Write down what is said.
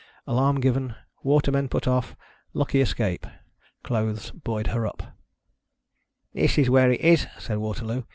Alarm given, watermen put otf, lucky escape. — Clothes buoyed her up. "This is where it is," said Waterloo.